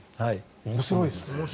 面白いですね。